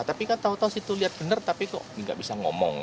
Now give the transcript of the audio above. tapi kan tahu tahu situ lihat benar tapi kok tidak bisa ngomong